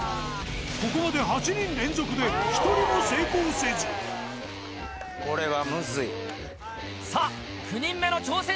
ここまで８人連続で１人も成功せずさぁ９人目の挑戦者です。